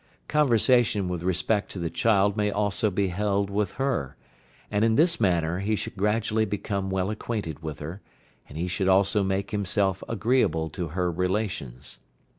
Conversation with respect to the child may also be held with her, and in this manner he should gradually become well acquainted with her, and he should also make himself agreeable to her relations.